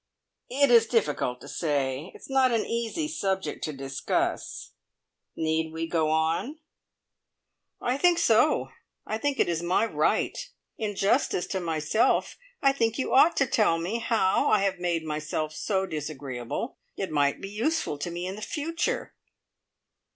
"It is difficult to say. It's not an easy subject to discuss. Need we go on?" "I think so. I think it is my right. In justice to myself, I think you ought to tell me how I have made myself so disagreeable. It might be useful to me in the future!"